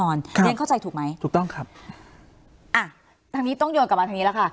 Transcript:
ครับถูกต้องครับอย่างเข้าใจถูกไหมอ่ะทางนี้ต้องยนต์กลับมาทางนี้แล้วค่ะ